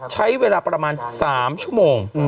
ใช้เวลาประมาณ๓ชั่วโมง